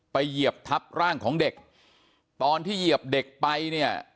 เหยียบทับร่างของเด็กตอนที่เหยียบเด็กไปเนี่ย